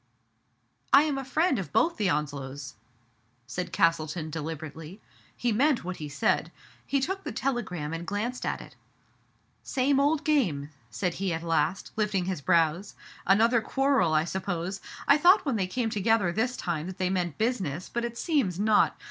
*' I am a friend of both the Onslows," said Cas tleton deliberately. He meant what he said. He took the telegram and glanced at it. Same old game !" said he at last, lifting his brows. " Another quarrel, I suppose. I thought when they came together this time that they meant business, but it seems not.